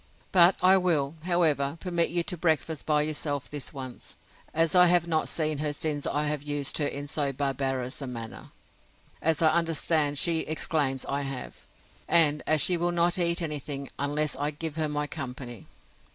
—But I will, however, permit you to breakfast by yourself this once, as I have not seen her since I have used her in so barbarous a manner, as I understand she exclaims I have; and as she will not eat any thing, unless I give her my company.